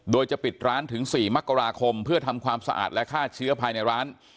โดยจะปิดร้านถึง๔มกราคมเพื่อทำความสะอาดและฆ่าเชื้อภายในร้าน